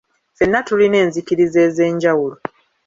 Ffenna tulina enzikiriza ez'enjawulo.